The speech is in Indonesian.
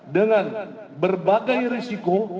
dengan berbagai risiko